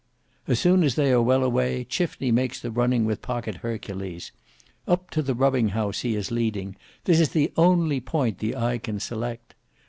As soon as they are well away, Chifney makes the running with Pocket Hercules. Up to the Rubbing House he is leading; this is the only point the eye can select.